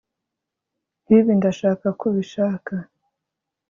nkibi ndashaka kubishaka